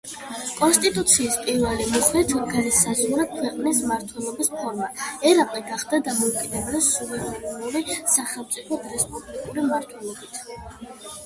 კონსტიტუციის პირველივე მუხლით განისაზღვრა ქვეყნის მმართველობის ფორმა: ერაყი გახდა დამოუკიდებელი, სუვერენული სახელმწიფოდ რესპუბლიკური მმართველობით.